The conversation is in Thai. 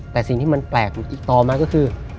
แต่สิ่งที่มันแปลกอีกต่อมาก็คือ